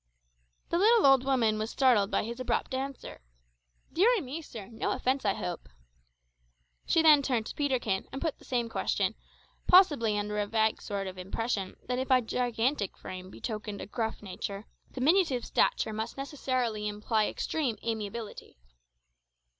The little old woman was startled by his abrupt answer. "Deary me, sir, no offence, I hope." She then turned to Peterkin and put the same question, possibly under a vague sort of impression that if a gigantic frame betokened a gruff nature, diminutive stature must necessarily imply extreme amiability.